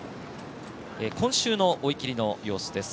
今週の追い切りの様子です。